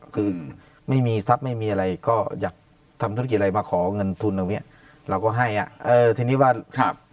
คือไม่มีทรัพย์ไม่มีอะไรก็อยากทำธุรกิจอะไรมาของเงินทุนเราก็ให้อ่ะทีนี้ว่า